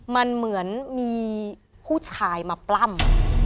มันเหมือนมีผู้ชายมาปล้ำ